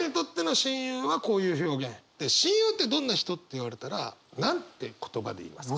親友って「どんな人？」って言われたら何て言葉で言いますか？